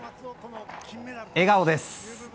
笑顔です。